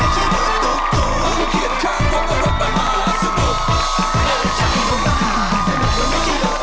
สวัสดีค่ะสวัสดีค่ะสวัสดีค่ะ